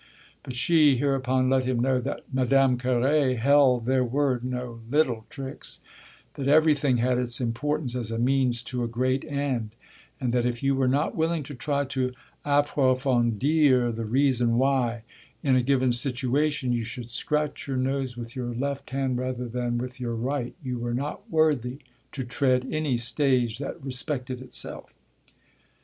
But she hereupon let him know that Madame Carré held there were no little tricks, that everything had its importance as a means to a great end, and that if you were not willing to try to approfondir the reason why, in a given situation, you should scratch your nose with your left hand rather than with your right, you were not worthy to tread any stage that respected itself.